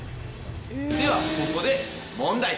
では、ここで問題。